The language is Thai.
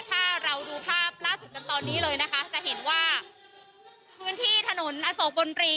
ถ้าเราดูภาพล่าสุดกันตอนนี้เลยนะคะจะเห็นว่าพื้นที่ถนนอโศกบนรี